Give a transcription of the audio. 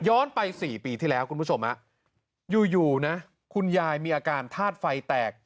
ไป๔ปีที่แล้วคุณผู้ชมอยู่นะคุณยายมีอาการธาตุไฟแตก